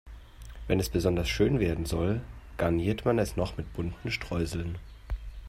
Wenn es besonders schön werden soll, garniert man es noch mit bunten Streuseln.